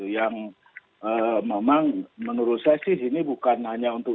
yang memang menurut saya sih ini bukan hanya untuk